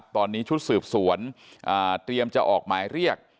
ตอนนี้ชุดสืบสวนเตรียมจะออกหมายเรียก